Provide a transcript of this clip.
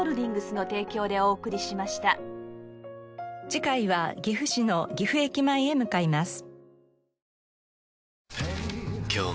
次回は岐阜市の岐阜駅前へ向かいます。